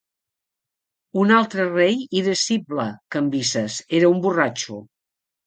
Un altre rei irascible, Cambises, era un borratxo.